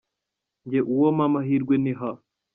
Njye uwo mpa amahirwe ni H.